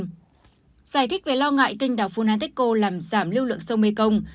giải thích về lo ngại kênh đảo funantechco làm giảm lưu lượng sông mekong